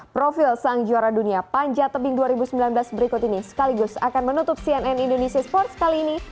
profil sang juara dunia panjat tebing dua ribu sembilan belas berikut ini sekaligus akan menutup cnn indonesia sports kali ini